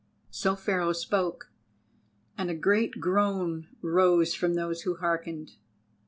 So Pharaoh spoke, and a great groan rose from those who hearkened.